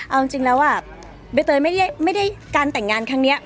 เอาจริงแล้วใบเตยไม่ได้การแต่งงานครั้งนี้